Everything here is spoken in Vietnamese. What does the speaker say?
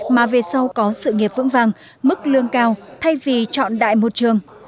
mà về sau có sự nghiệp vững vàng mức lương cao thay vì chọn đại một trường